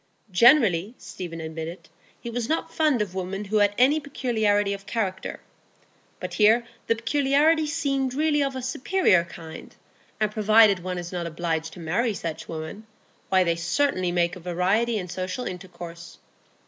Generally, Stephen admitted, he was not fond of women who had any peculiarity of character, but here the peculiarity seemed really of a superior kind, and provided one is not obliged to marry such women, why, they certainly make a variety in social intercourse.